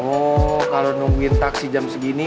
oh kalau nungguin taksi jam segini